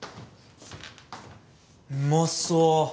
うまそう。